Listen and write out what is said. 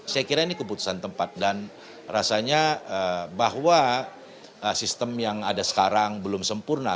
saya kira ini keputusan tempat dan rasanya bahwa sistem yang ada sekarang belum sempurna